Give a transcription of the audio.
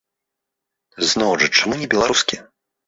Зноў жа, чаму не беларускія?